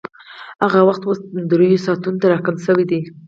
هغه وخت اوس درېیو ساعتونو ته راکم شوی دی